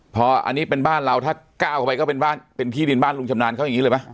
พออันนี้เป็นบ้านเราถ้าก้าวเข้าไปก็เป็นบ้านเป็นที่ดินบ้านลุงชำนาญเขาอย่างนี้เลยไหม